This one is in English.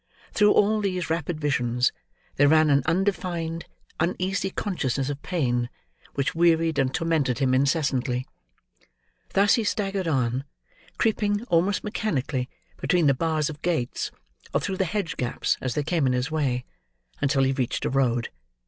Through all these rapid visions, there ran an undefined, uneasy consciousness of pain, which wearied and tormented him incessantly. Thus he staggered on, creeping, almost mechanically, between the bars of gates, or through hedge gaps as they came in his way, until he reached a road.